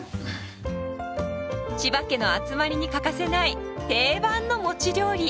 千葉家の集まりに欠かせない定番のもち料理。